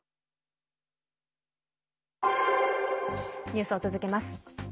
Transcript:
ニュースを続けます。